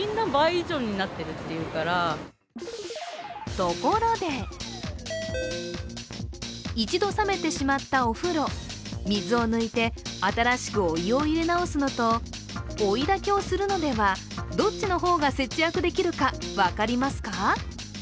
ところで一度冷めてしまったお風呂、水を抜いて新しくお湯を入れ直すのと追いだきをするのではどっちの方が節約できるか分かりますか？